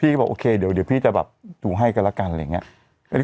พี่ก็บอกโอเคเดี๋ยวพี่จะแบบดูให้ก็ละกันอะไรอย่างเงี้ย